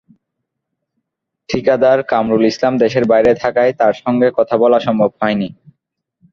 ঠিকাদার কামরুল ইসলাম দেশের বাইরে থাকায় তাঁর সঙ্গে কথা বলা সম্ভব হয়নি।